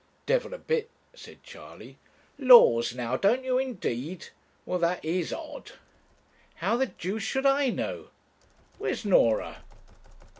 'Devil a bit,' said Charley. 'Laws, now don't you indeed? Well, that is odd.' 'How the deuce should I know? Where's Norah?'